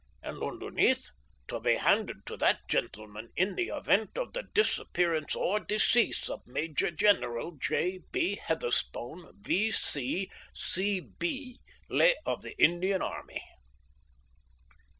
and underneath: "To be handed to that gentleman in the event of the disappearance or decease of Major General J. B. Heatherstone, V.C., C.B., late of the Indian Army."